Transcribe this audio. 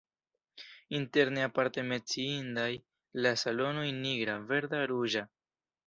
Interne aparte menciindaj la salonoj nigra, verda, ruĝa.